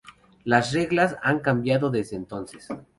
Las reglas han cambiado desde entonces.